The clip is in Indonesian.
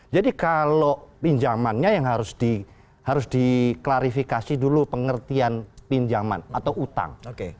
jadi kalau pinjamannya yang harus diklarifikasi dulu pengertian pinjaman atau utang